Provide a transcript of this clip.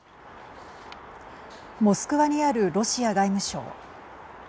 モスクワにあるロシア外務省。